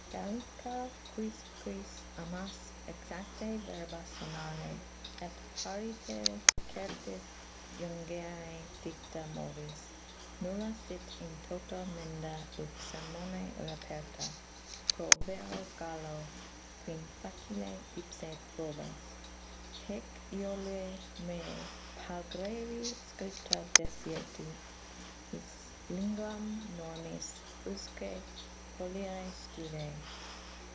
Gallica quisquis amas, exacte verba sonare, Et pariter certis jungere dicta modis, Nulla sit in toto menda ut sermone reperta, Pro vero Gallo, quin facile ipse probes, Hffic euolue mei Palgraui scripta diserti, His linguam normis usque polire stude.